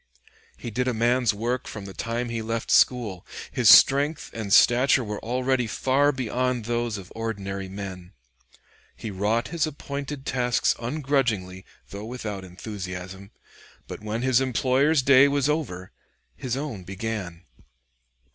He did a man's work from the time he left school; his strength and stature were already far beyond those of ordinary men. He wrought his appointed tasks ungrudgingly, though without enthusiasm; but when his employer's day was over, his own began.